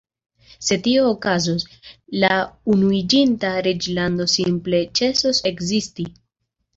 Se tio okazos, la Unuiĝinta Reĝlando simple ĉesos ekzisti.